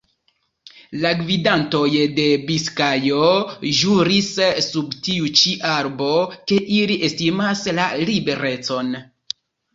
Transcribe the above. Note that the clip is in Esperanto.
La gvidantoj de Biskajo ĵuris sub tiu ĉi arbo, ke ili estimas la liberecon.